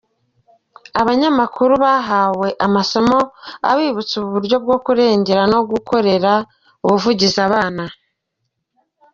Abanyamakuru bahawe amasomo abibutsa uburyo bwo kurengera no gukorera ubuvugizi abana.